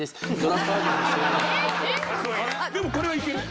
でもこれはいける？